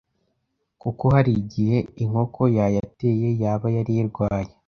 kuko hari igihe inkoko yayateye yaba yari irwaye